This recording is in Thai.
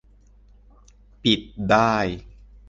ปิดได้